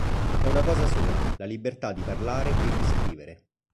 È una cosa sola, la libertà di parlare e di scrivere.